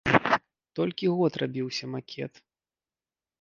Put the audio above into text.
Толькі год рабіўся макет.